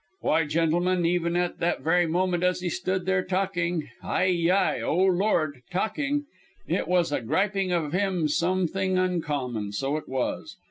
Why, gentlemen, even at that very moment, as he stood there talking Hi, yi! O Lord ! talking, it was a griping of him something uncommon, so it was.